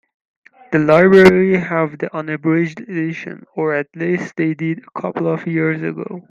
The library have the unabridged edition, or at least they did a couple of years ago.